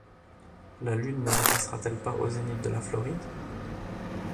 La Lune ne repassera-t-elle pas au zénith de la Floride ?